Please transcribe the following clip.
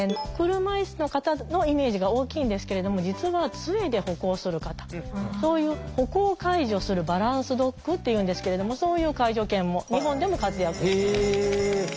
車いすの方のイメージが大きいんですけれども実はつえで歩行する方そういう歩行を介助するバランスドッグっていうんですけれどもそういう介助犬も日本でも活躍してます。